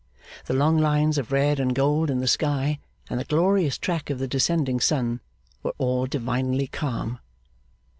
The long lines of red and gold in the sky, and the glorious track of the descending sun, were all divinely calm.